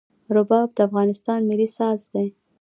رباب د افغانستان ملي ساز دی.